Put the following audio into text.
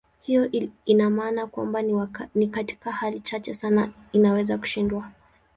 Hiyo ina maana kwamba ni katika hali chache sana inaweza kushindwa.